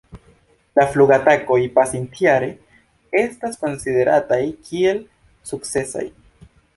La flugatakoj pasintjare estas konsiderataj kiel sukcesaj.